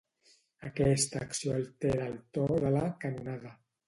Aquesta acció altera el to de la "canonada".